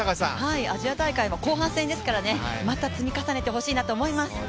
アジア大会は後半戦ですからまた積み重ねてほしいなと思います。